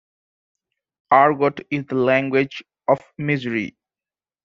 Argot is the language of misery.